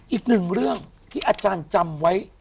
อีกหนึ่งเรื่องที่อาจารย์จำไว้